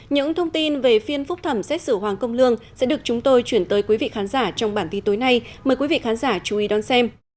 những thông tin về phiên phúc thẩm xét xử hoàng công lương sẽ được chúng tôi chuyển tới quý vị khán giả trong bản tin tối nay mời quý vị khán giả chú ý đón xem